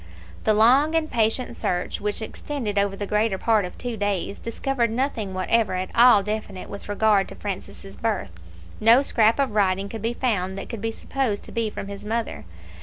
The long and patient search which extended over the greater part of two days discovered nothing whatever at all definite with regard to Francis' birth. No scrap of writing could be found that could be supposed to be from his mother.